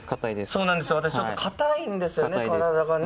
そうなんですよ、私ちょっとかたいんですよね、体が。